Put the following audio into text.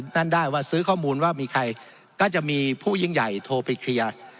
นั่นได้ว่าซื้อข้อมูลว่ามีใครก็จะมีผู้ยิ่งใหญ่โทรไปเคลียร์